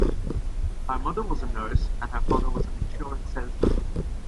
Her mother was a nurse and her father was an insurance salesman.